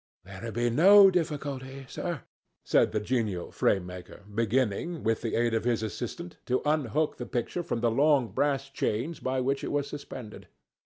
"There will be no difficulty, sir," said the genial frame maker, beginning, with the aid of his assistant, to unhook the picture from the long brass chains by which it was suspended.